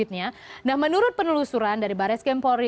nah menurut penelusuran dari barres kempolri